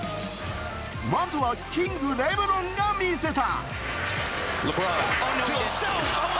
まずはキング・レブロンが見せた。